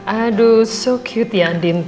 aduh so cute ya andi